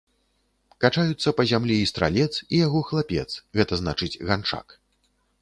Качаюцца па зямлі і стралец, і яго хлапец, гэта значыць ганчак.